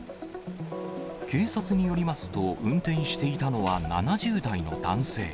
警察によりますと、運転していたのは７０代の男性。